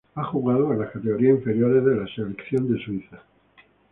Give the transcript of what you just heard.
Ha jugado con las categorías inferiores de la selección de Suiza.